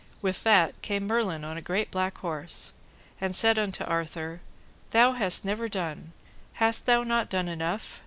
With that came Merlin on a great black horse, and said unto Arthur, Thou hast never done! Hast thou not done enough?